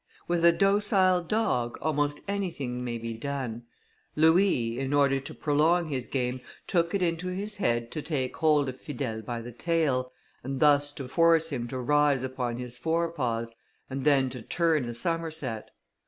With a docile dog, almost anything may be done. Louis, in order to prolong his game, took it into his head to take hold of Fidèle by the tail, and thus to force him to rise upon his fore paws, and then to turn a somerset.